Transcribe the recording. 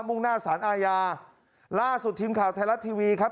่งหน้าสารอาญาล่าสุดทีมข่าวไทยรัฐทีวีครับ